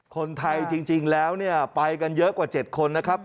คนไทยจริงแล้วเนี่ยไปกันเยอะกว่า๗คนนะครับ